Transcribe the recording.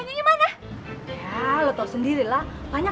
ini cantik banget nih kalo beginiannya